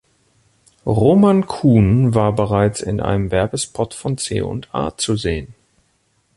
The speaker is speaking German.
Roman Kuhn war bereits in einem Werbespot von C&A zu sehen.